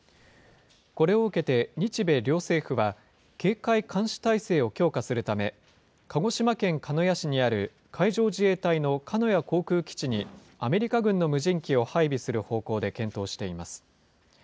これを受けて、日米両政府は警戒監視態勢を強化するため、鹿児島県鹿屋市にある海上自衛隊の鹿屋航空基地に、アメリカ軍の無人機を配備する方向で検討しています。